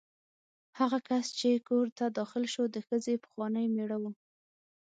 هغه کس چې کور ته داخل شو د ښځې پخوانی مېړه و.